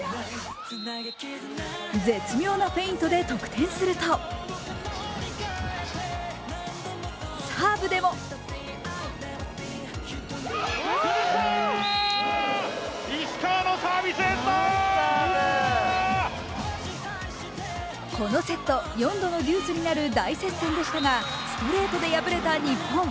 絶妙なフェイントで得点するとサーブでもこのセット４度のデュースになる大接戦でしたがストレートで敗れた日本。